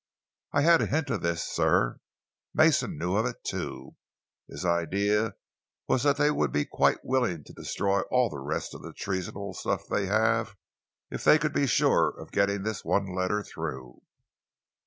"I had a hint of this, sir. Mason knew of it, too. His idea was that they would be quite willing to destroy all the rest of the treasonable stuff they have, if they could be sure of getting this one letter through."